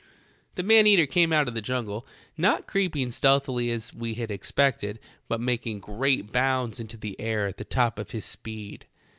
"The man eater came out of the jungle, not creeping stealthily as we had expected, but mak ing great bounds into the air at the top of his speed.